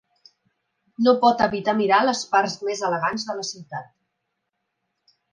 No pot evitar mirar les parts més elegants de la ciutat.